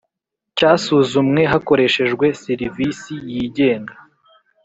Cyasuzumwe hakoreshejwe serivisi yigenga